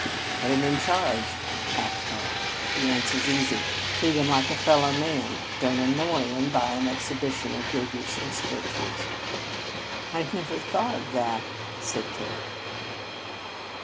"Put him in charge," laughed Karl. "The answer's easy. Treat him like a fellow man. Don't annoy him by an exhibition of your useless virtues." "I never thought of that," said Kate.